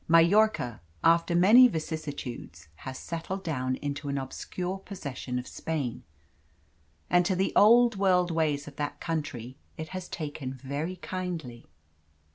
Majorca, after many vicissitudes, has settled down into an obscure possession of Spain; and to the old world ways of that country it has taken very kindly.